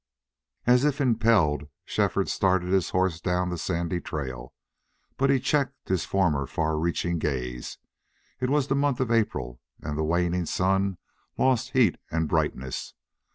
As if impelled Shefford started his horse down the sandy trail, but he checked his former far reaching gaze. It was the month of April, and the waning sun lost heat and brightness.